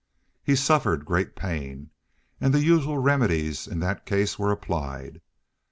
He suffered great pain, and the usual remedies in that case were applied.